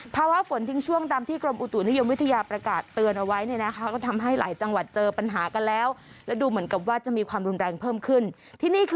ภาวะฝนทิ้งช่วงตามที่กรมอุตุนิยมวิทยาประกาศเตือนเอาไว้